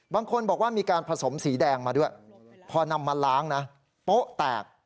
บางคนบอกว่ามีการผสมสีแดงมาด้วยพอนำมาล้างนะโป๊ะแตก